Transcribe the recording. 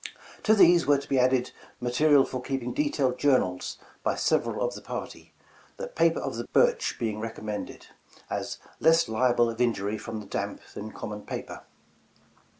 To these were to be added ma terial for keeping detailed journals by several of the party, the ''paper of the birch" being recommended, as ''less liable of injury from the damp than common paper.